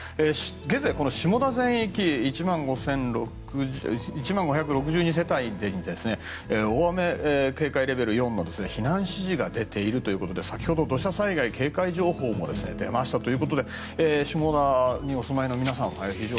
現在、下田全域１万５６２世帯で大雨警戒レベル４の避難指示が出ているということで先ほど土砂災害警戒情報も出ましたということで下田にお住まいの皆さん